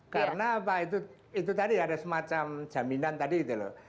karena apa itu tadi ada semacam jaminan tadi gitu loh